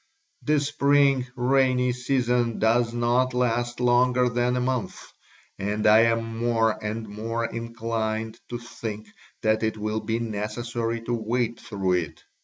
The spring rainy season does not last longer than a month and I am more and more inclined to think that it will be necessary to wait through it.